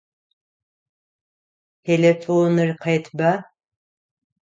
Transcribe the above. Телефоныр къетба!